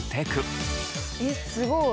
えっすごい。